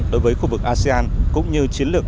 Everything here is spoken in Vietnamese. đối với khu vực asean cũng như chiến lược